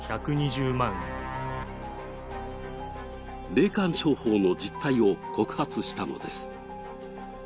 霊感商法の実態を告発したのです。